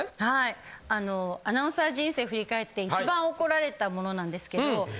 はいあのアナウンサー人生ふりかえって一番怒られたものなんですけど